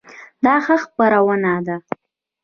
دا ښه خپرونه ده؟